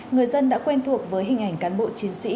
người dân đã quen thuộc với hình ảnh cán bộ chiến sĩ